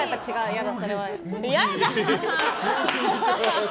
嫌だ！